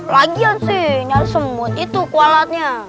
lagian sih nyaris semut itu kualatnya